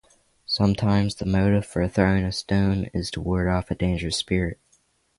Sometimes the motive for throwing the stone is to ward off a dangerous spirit.